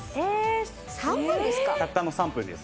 たったの３分です。